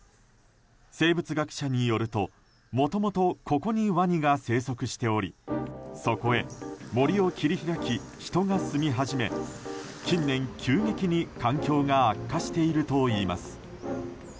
生物学者によると、もともとここにワニが生息しておりそこへ森を切り開き人が住み始め近年、急激に環境が悪化しているといいます。